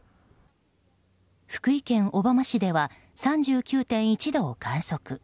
福井県小浜市では３９．１度を観測。